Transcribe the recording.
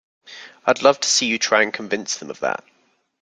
I'd love to see you try and convince them of that!